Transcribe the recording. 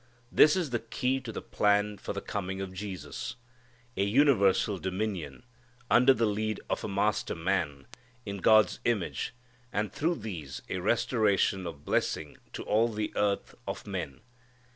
This is the key to the plan for the coming of Jesus. A universal dominion, under the lead of a Master Man, in God's image, and through these a restoration of blessing to all the earth of men.